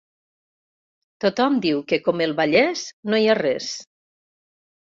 Tothom diu que com el Vallès no hi ha res.